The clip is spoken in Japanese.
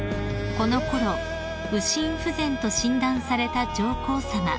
［このころ右心不全と診断された上皇さま］